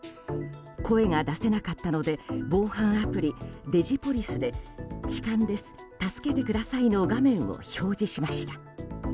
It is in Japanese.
声が出せなかったので防犯アプリ、デジポリスで「痴漢です助けてください」の画面を表示しました。